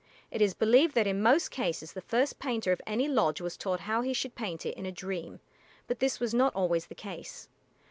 It is believed that in most cases the first painter of any lodge was taught how he should paint it in a dream, but this was not always the case.